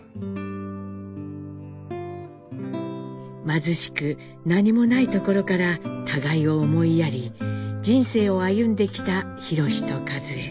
貧しく何もないところから互いを思いやり人生を歩んできた弘史と和江。